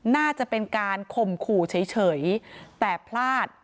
น่าจะเป็นการข่มขู่เฉยแต่พลาด